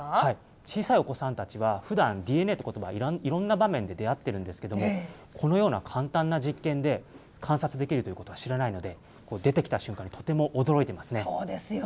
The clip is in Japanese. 小さいお子さんたちはふだん、ＤＮＡっていうことば、いろんな場面で出会ってるんですけど、このような簡単な実験で観察できるということは知らないので、出てきた瞬間、とても驚いていますね。